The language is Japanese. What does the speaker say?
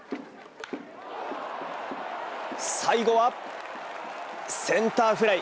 最後は、センターフライ。